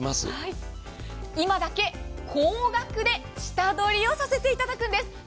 今だけ高額で下取りをさせていただくんです。